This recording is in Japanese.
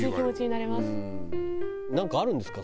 なんかあるんですか？